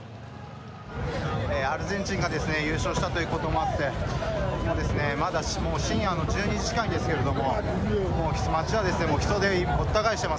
アルゼンチンが優勝したということもあってもう深夜の１２時近いんですけれども。